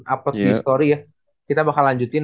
upload story ya kita bakal lanjutin